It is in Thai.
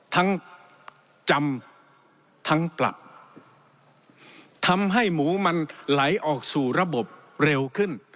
ทั้งจำทั้งปรับทำให้หมูมันไหลออกสู่ระบบเร็วขึ้น